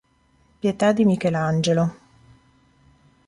Pietà di Michelangelo